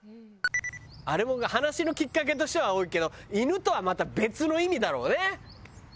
あれも話のきっかけとしては多いけど犬とはまた別の意味だろうね。